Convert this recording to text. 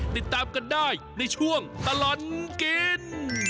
ติดตามกันได้ในช่วงตลอดกิน